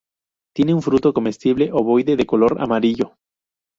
Tiene un fruto comestible ovoide de color amarillo.